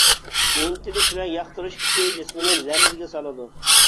ئىنتىلىش ۋە ياقتۇرۇش كىشى جىسمىنى لەرزىگە سالىدۇ.